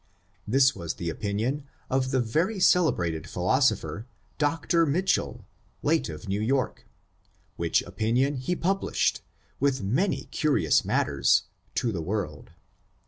This was the opinion of the very celebrated philosopher, Dr. Mitchell, late of New York, which opinion he publish ed, with many curious matters to the world.